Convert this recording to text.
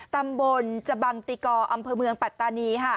ตำบลจบังติกออำเภอเมืองปัตตานี